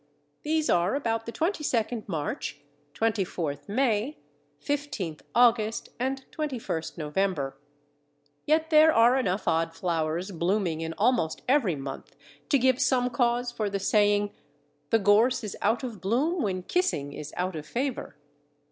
These are about the 22nd March, 24th May, 15th August, and 21st November; yet there are enough odd flowers blooming in almost every month to give some cause for the saying, "The gorse is out of bloom when kissing is out of favour."